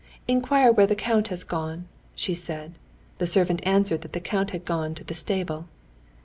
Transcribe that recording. "Inquire where the count has gone," she said. The servant answered that the count had gone to the stable.